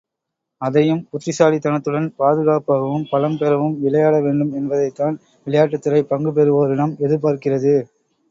அதையும் புத்திசாலித்தனத்துடன் பாதுகாப்பாகவும் பலம் பெறவும் விளையாட வேண்டும் என்பதைத்தான் விளையாட்டுத்துறை பங்கு பெறுவோரிடம் எதிர்பார்க்கிறது.